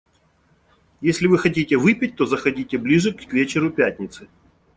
Если вы хотите выпить, то заходите ближе к вечеру пятницы.